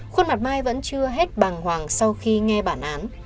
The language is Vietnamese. khuôn mặt mai vẫn chưa hết bàng hoàng sau khi nghe bản án